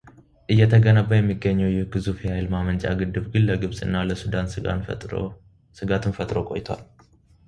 እየተገነባ የሚገኘው ይህ ግዙፍ የኃይል ማመንጫ ግድብ ግን ለግብፅ እና ለሱዳን ስጋትን ፈጥሮ ቆይቷል።